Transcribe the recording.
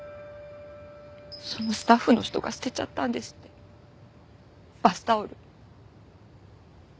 そのスタッフの人が捨てちゃったんですってバスタオル。